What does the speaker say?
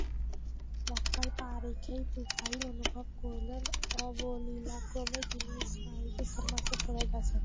মক্কায় পা রেখেই তুফাইল অনুভব করলেন, অবলীলাক্রমেই তিনি এই স্নায়ুযুদ্ধের মাঝে পড়ে গেছেন।